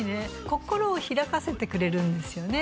心を開かせてくれるんですよね